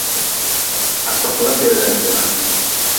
Ha sokla bergan kenah.